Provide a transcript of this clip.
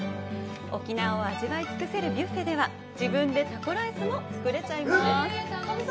沖縄を味わい尽くせるビュッフェでは自分でタコライスも作れちゃいます